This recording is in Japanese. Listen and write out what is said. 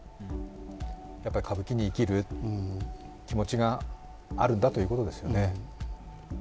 やっぱり歌舞伎に生きる気持ちがあるんだということですよね。